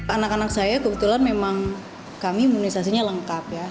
anak anak saya kebetulan memang kami imunisasinya lengkap ya